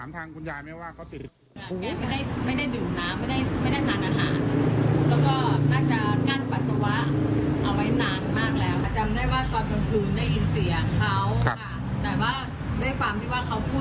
ถือว่าเขาพูดตรงเดียว